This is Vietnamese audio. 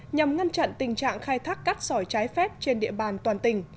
nhằm ngăn chặn tình trạng khai thác cát sỏi trái phép trên địa bàn toàn tỉnh